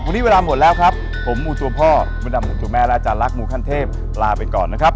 วันนี้เวลาหมดแล้วครับผมมูตัวพ่อมดดำหมู่ตัวแม่และอาจารย์ลักษ์มูขั้นเทพลาไปก่อนนะครับ